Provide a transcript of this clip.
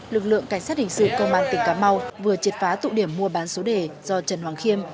lực lượng cảnh sát hình sự công an tỉnh cà mau vừa triệt phá tụ điểm mua bán số đề do trần hoàng khiêm